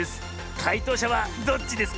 かいとうしゃはどっちですか？